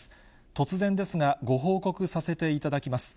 突然ですが、ご報告させていただきます。